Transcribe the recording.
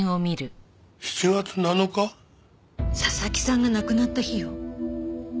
佐々木さんが亡くなった日よ。